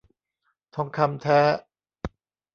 ทองคำแท้